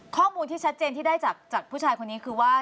ข้อมูลที่ชัดเจนที่ได้จากผู้ชายคนนี้คือว่า